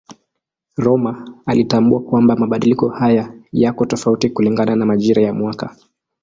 Rømer alitambua kwamba mabadiliko haya yako tofauti kulingana na majira ya mwaka.